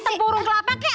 temburung kelapa kek